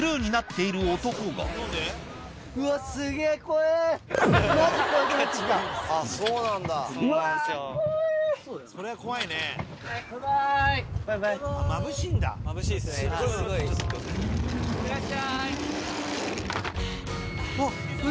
いってらっしゃい！